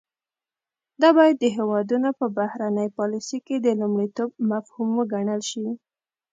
دا باید د هیوادونو په بهرنۍ پالیسۍ کې د لومړیتوب مفهوم وګڼل شي